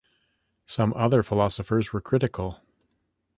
Some other philosophers were critical.